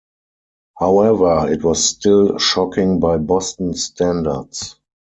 However, it was still shocking by Boston standards.